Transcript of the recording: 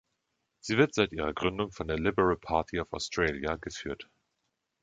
Sie wird seit ihrer Gründung von der Liberal Party of Australia geführt.